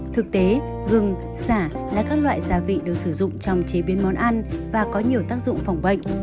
thực tế gừng xả là các loại gia vị được sử dụng trong chế biến món ăn và có nhiều tác dụng phòng bệnh